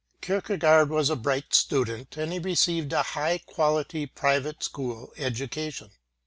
Kierkegaard was a bright student and he received a high quality private school education.